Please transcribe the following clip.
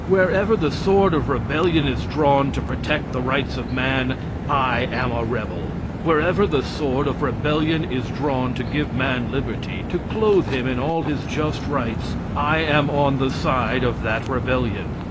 Wherever the sword of rebellion is drawn to protect the rights of man, I am a rebel. Wherever the sword of rebellion is drawn to give man liberty, to clothe him in all his just rights, I am on the side of that rebellion.